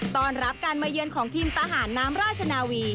ตอนรับการมาเยือนของทีมทหารน้ำราชนาวี